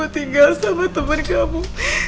kamu tinggal sama temen kamu